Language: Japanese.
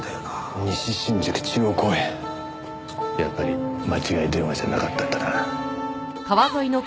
やっぱり間違い電話じゃなかったんだな。